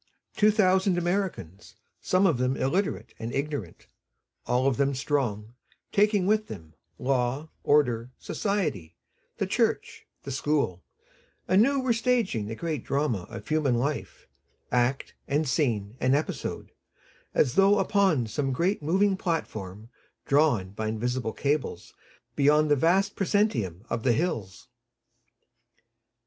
Two thousand Americans, some of them illiterate and ignorant, all of them strong, taking with them law, order, society, the church, the school, anew were staging the great drama of human life, act and scene and episode, as though upon some great moving platform drawn by invisible cables beyond the vast proscenium of the hills.